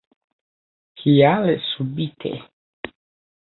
Kial subite.